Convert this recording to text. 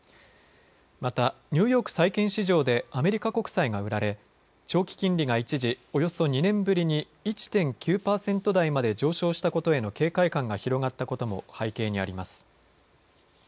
またニューヨーク債券市場でアメリカ国債が売られ長期金利が一時、およそ２年ぶりに１．９％台まで上昇したことへの警戒感が広がったことも背景にあります。